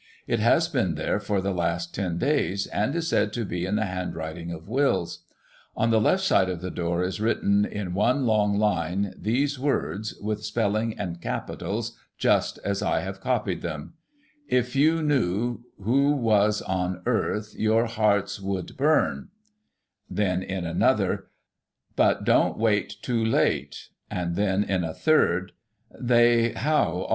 It has been there for the last ten days, and is said to be in the hand writing of Wills. On the left side of the door is written, in one long line, these words, with spelling and capitals just as I have copied them: — 'If you newho was on earth your harts Wod turn '; then in another :' But dont Wate to late '; and then, in a third, 'They how R.'